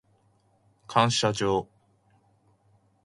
感謝状